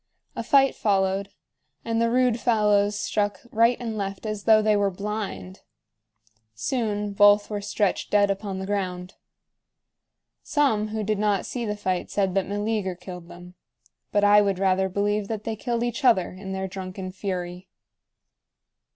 A fight followed, and the rude fellows struck right and left as though they were blind. Soon both were stretched dead upon the ground. Some who did not see the fight said that Meleager killed them, but I would rather believe that they killed each other in their drunken fury.